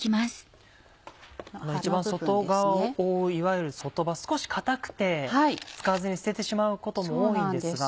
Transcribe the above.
一番外側を覆ういわゆる外葉少し硬くて使わずに捨ててしまうことも多いんですが。